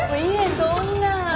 そんな。